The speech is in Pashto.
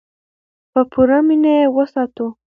په پوره مینه یې وساتو.